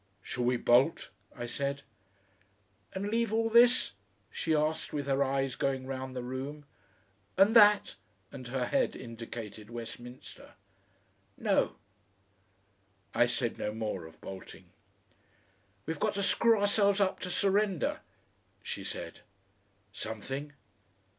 "Shall we bolt?" I said. "And leave all this?" she asked, with her eyes going round the room. "And that?" And her head indicated Westminster. "No!" I said no more of bolting. "We've got to screw ourselves up to surrender," she said. "Something."